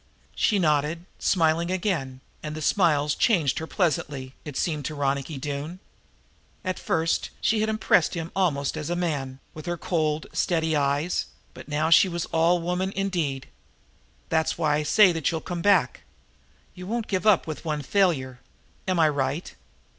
She nodded, smiling again, and the smiles changed her pleasantly, it seemed to Ronicky Doone. At first she had impressed him almost as a man, with her cold, steady eyes, but now she was all woman, indeed. "That's why I say that you'll come back. You won't give up with one failure. Am I right?"